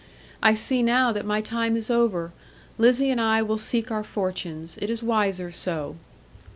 I see now that my time is over. Lizzie and I will seek our fortunes. It is wiser so.'